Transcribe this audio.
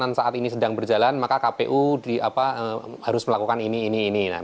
karena saat ini sedang berjalan maka kpu harus melakukan ini ini ini